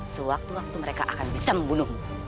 sewaktu waktu mereka akan bisa membunuhmu